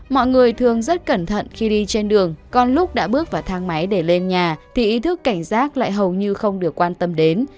mọi người thường rất cẩn thận khi đi trên đường con lúc đã bước vào thang máy để lên nhà thì ý thức cảnh giác lại hầu như không được quan tâm đến